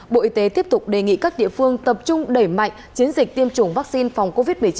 bộ y tế tiếp tục đề nghị các địa phương tập trung đẩy mạnh chiến dịch tiêm chủng vaccine phòng covid một mươi chín